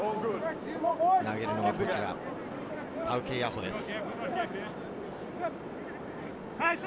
投げるのはタウケイアホです。